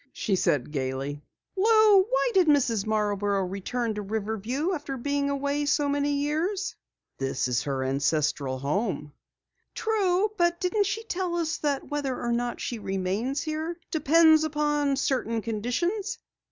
she said gaily. "Lou, why did Mrs. Marborough return to Riverview after being away so many years?" "This is her ancestral home." "True, but didn't she tell us that whether or not she remains here depends upon certain conditions?